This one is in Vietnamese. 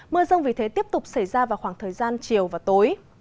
mưa rông vì thế tiếp tục xảy ra vào khoảng thời gian chiều và tối